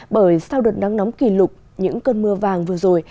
bởi sau đợt nắng nóng kỷ lục những cơn mưa vàng vừa rồi